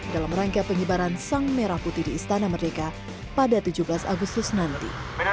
dalam rangka pengibaran sang merah putih di istana merdeka pada tujuh belas agustus nanti